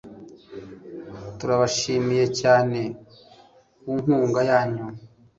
Turabashimiye cyane kunkunga yanyu .